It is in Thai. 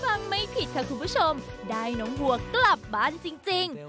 ฟังไม่ผิดค่ะคุณผู้ชมได้น้องวัวกลับบ้านจริง